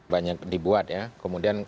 banyak dibuat ya kemudian